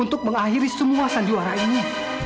untuk mengakhiri semua sandiwara ini